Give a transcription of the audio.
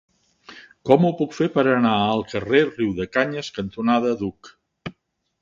Com ho puc fer per anar al carrer Riudecanyes cantonada Duc?